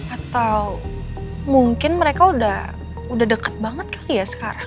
atau mungkin mereka udah dekat banget kali ya sekarang